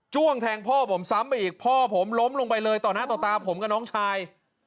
้วงแทงพ่อผมซ้ำไปอีกพ่อผมล้มลงไปเลยต่อหน้าต่อตาผมกับน้องชาย